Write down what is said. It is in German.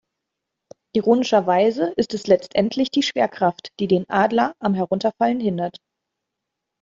Ironischerweise ist es letztendlich die Schwerkraft, die den Adler am Herunterfallen hindert.